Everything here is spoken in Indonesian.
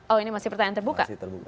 oh ini masih pertanyaan terbuka